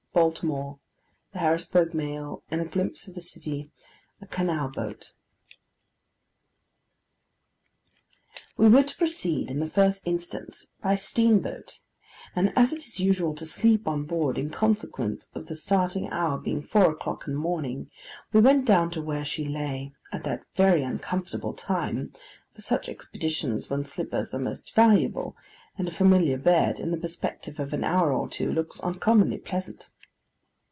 BALTIMORE. THE HARRISBURG MAIL, AND A GLIMPSE OF THE CITY. A CANAL BOAT WE were to proceed in the first instance by steamboat; and as it is usual to sleep on board, in consequence of the starting hour being four o'clock in the morning, we went down to where she lay, at that very uncomfortable time for such expeditions when slippers are most valuable, and a familiar bed, in the perspective of an hour or two, looks uncommonly pleasant.